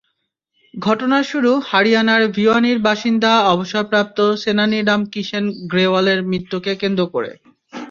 ঘটনার শুরু হরিয়ানার ভিওয়ানির বাসিন্দা অবসরপ্রাপ্ত সেনানী রাম কিষেণ গ্রেওয়ালের মৃত্যুকে কেন্দ্র করে।